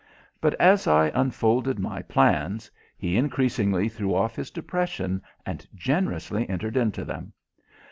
But as I unfolded my plans, he increasingly threw off his depression and generously entered into them.